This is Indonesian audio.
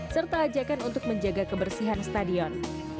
serta ajakan untuk menjaga kebersihan stadion